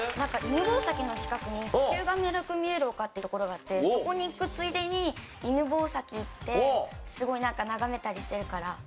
犬吠埼の近くに「地球の丸く見える丘」っていう所があってそこに行くついでに犬吠埼に行ってすごいなんか眺めたりしてるから。